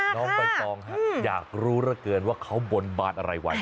น้องแบรนด์ฟองอยากรู้ระเกินว่าเขาบนบาร์ดอะไรไว้